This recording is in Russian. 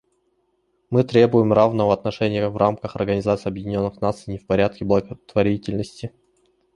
Мы требуем равного отношения в рамках Организации Объединенных Наций не в порядке благотворительности.